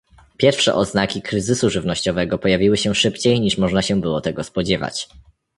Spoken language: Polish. Pierwsze oznaki kryzysu żywnościowego pojawiły się szybciej niż można się było tego spodziewać